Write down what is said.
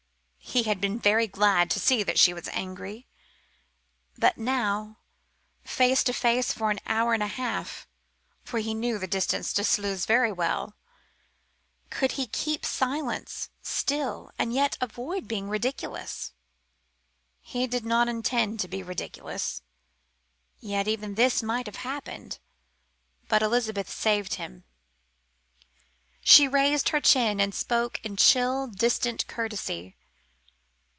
He had been very glad to see that she was angry. But now, face to face for an hour and a half for he knew the distance to Sluys well enough could he keep silence still and yet avoid being ridiculous? He did not intend to be ridiculous; yet even this might have happened. But Elizabeth saved him. She raised her chin and spoke in chill, distant courtesy.